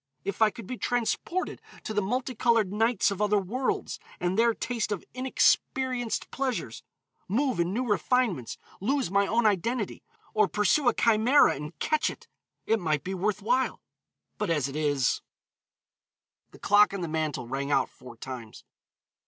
If I could be transported to the multicolored nights of other worlds, and there taste of inexperienced pleasures, move in new refinements, lose my own identity, or pursue a chimera and catch it, it might be worth while, but, as it is " The clock on the mantel rang out four times.